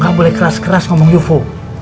gak boleh keras keras ngomong ufo